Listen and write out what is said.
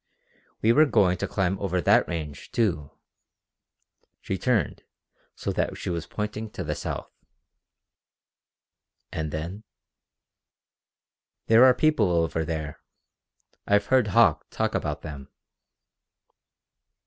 We were going to climb over that range, too." She turned so that she was pointing to the south. "And then?" "There are people over there. I've heard Hauck talk about them."